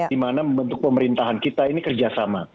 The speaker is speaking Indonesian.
di mana membentuk pemerintahan kita ini kerjasama